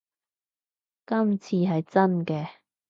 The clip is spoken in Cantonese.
今次係真嘅